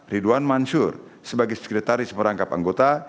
ridwan mansur sebagai sekretaris merangkap anggota